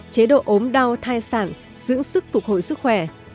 chế độ ốm đau thai sản giữ sức phục hồi sức khỏe